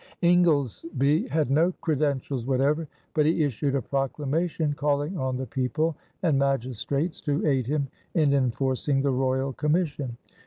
Ingoldesby had no credentials whatever, but he issued a proclamation calling on the people and magistrates to aid him in enforcing the royal commission.